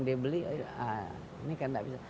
dibeli ini kan tidak bisa